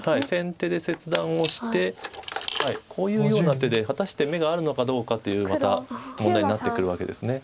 先手で切断をしてこういうような手で果たして眼があるのかどうかというまた問題になってくるわけです。